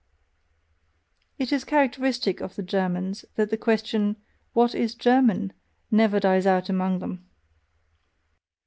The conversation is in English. It IS characteristic of the Germans that the question: "What is German?" never dies out among them.